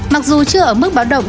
mặc dù chưa ở mức báo động